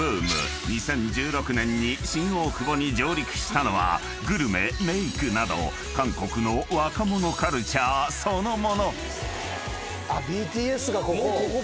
［２０１６年に新大久保に上陸したのはグルメメイクなど韓国の若者カルチャーそのもの］ＢＴＳがここ？